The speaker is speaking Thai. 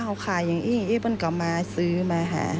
เขาขายอย่างนี้ผมกลับมาซื้อมา